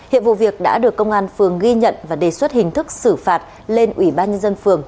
hiện vụ việc đã được công an phường ghi nhận và đề xuất hình thức xử phạt lên ủy ban nhân dân phường